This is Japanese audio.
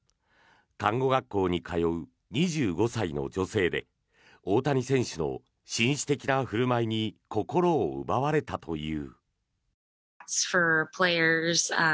看護学校に通う２５歳の女性で大谷選手の紳士的な振る舞いに心を奪われたという。